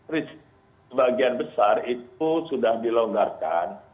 risk sebagian besar itu sudah dilonggarkan